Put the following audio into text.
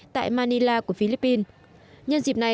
tại manila của philippines